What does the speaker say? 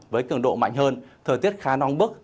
với cường độ mạnh hơn thời tiết khá non bức